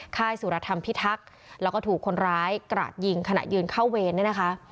ค่ายสุรธรรมพิทักษ์แล้วก็ถูกคนร้ายกราดยิงขณะยืนเข้าเวรเนี่ยนะคะ